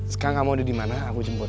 sekarang kamu udah dimana aku jemput